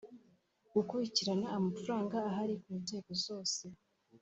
gukurikirana amafaranga ahari ku nzego zose